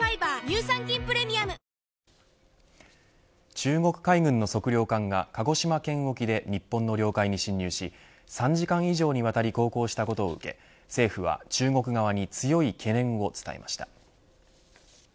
中国海軍の測量艦が鹿児島県沖で日本の領海に侵入し３時間以上にわたり航行したことを受け政府は中国側に強い懸念を伝えました。